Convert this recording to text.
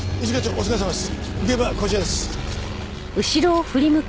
お疲れさまです。